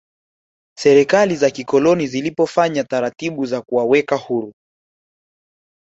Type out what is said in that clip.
serikali za kikoloni zilipofanya taratibu za kuwaweka huru